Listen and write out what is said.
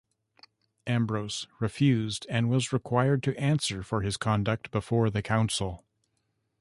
Ambrose refused and was required to answer for his conduct before the council.